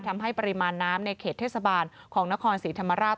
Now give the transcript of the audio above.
ทำให้ปริมาณน้ำในเขตเทศบาลของนครศรีธรรมราช